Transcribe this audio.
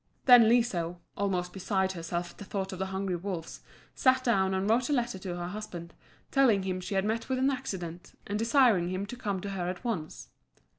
Then Liso, almost beside herself at the thought of the hungry wolves, sat down and wrote a letter to her husband, telling him she had met with an accident, and desiring him to come to her at once.